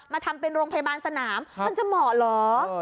ทำเป็นโรงพยาบาลสนามมันจะเหมาะเหรอ